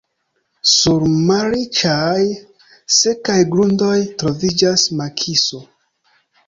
Sur malriĉaj, sekaj grundoj troviĝas makiso.